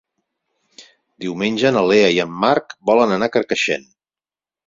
Diumenge na Lea i en Marc volen anar a Carcaixent.